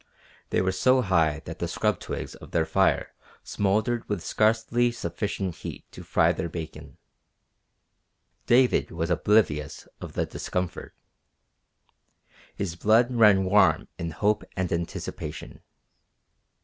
They were so high that the scrub twigs of their fire smouldered with scarcely sufficient heat to fry their bacon. David was oblivious of the discomfort. His blood ran warm in hope and anticipation.